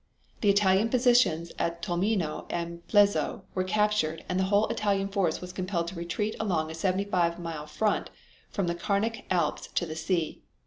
The Italian positions at Tolmino and Plezzo were captured and the whole Italian force was compelled to retreat along a seventy mile front from the Carnic Alps to the sea.